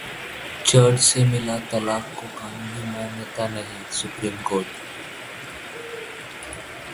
church से मिला तलाक को कानूनी मान्यता नहीं: सुप्रीम कोर्ट